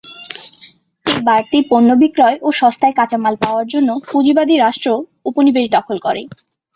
এই বাড়তি পণ্য বিক্রয় ও সস্তায় কাঁচামাল পাওয়ার জন্য পুঁজিবাদী রাষ্ট্র উপনিবেশ দখল করে।